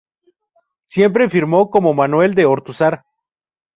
Siempre firmó como Manuel de Ortúzar.